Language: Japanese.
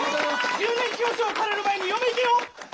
１０年表彰される前に嫁行けよ！